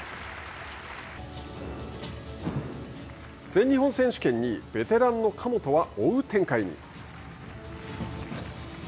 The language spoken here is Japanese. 全日本選手権２位ベテランの神本は、追う展開に。